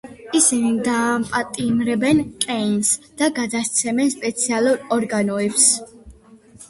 ისინი დააპატიმრებენ კეინს და გადასცემენ სპეციალურ ორგანოებს.